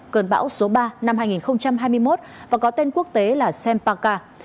cơn bão số ba năm hai nghìn hai mươi một và có tên quốc tế là sampaka